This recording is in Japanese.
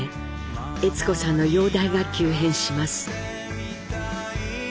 悦子さんの容体が急変します。